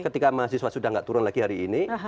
ketika mahasiswa sudah tidak turun lagi hari ini